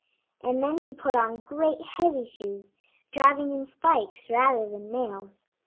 And then he put on great, heavy shoes, driving in spikes rather than nails.